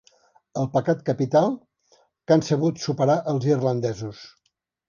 El pecat capital que han sabut superar els irlandesos.